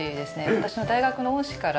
私の大学の恩師から頂いて。